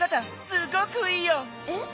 すごくいいよ！え？